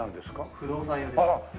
不動産屋です。